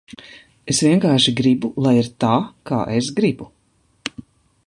Es vienkārši gribu, lai ir tā, kā es gribu.